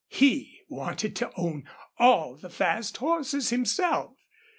He wanted to own all the fast horses himself.